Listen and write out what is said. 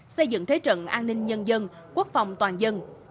xây dựng thế trận an ninh nhân dân quốc phòng toàn dân